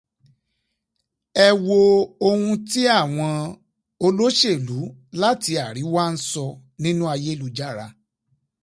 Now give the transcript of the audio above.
Ẹ wo oun tí àwọn olóṣèlú láti Àríwá ń sọ nínú ayélujára